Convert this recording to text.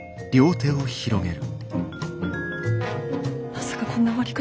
まさかこんな終わり方。